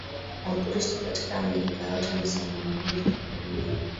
na Ukristo katika Amerika yote na sehemu nyingine za dunia